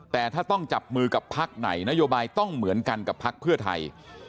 แต่ถ้าต้องจับมือกับพักไหนนโยบายต้องเหมือนกันกับพักเพื่อไทย